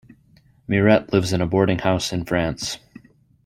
Mirette lives in a boardinghouse in France.